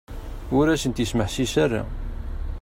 Ur asent-ismeḥsis ara.